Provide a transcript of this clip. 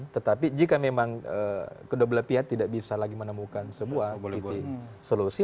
tetapi jika memang kedua belah pihak tidak bisa lagi menemukan sebuah titik solusi